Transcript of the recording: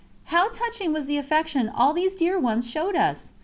How touching was the affection all these dear ones showed us!